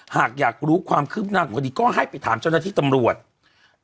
หากอยากรู้ความคืบหน้าของคดีก็ให้ไปถามเจ้าหน้าที่ตำรวจ